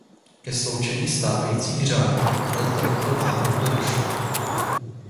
Ke sloučení stávajících řádů podle tohoto návrhu nedošlo.